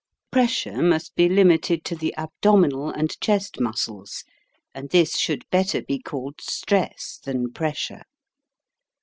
Pressure must be limited to the abdominal and chest muscles; and this should better be called stress than pressure.